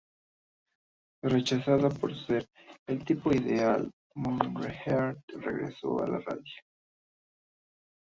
Rechazada por no ser "del tipo ideal", Moorehead regresó a la radio.